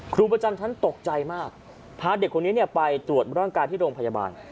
ครูประจำชั้นตกใจมากพาเด็กคนนี้ไปตรวจร่างกายที่โรงพยาบาล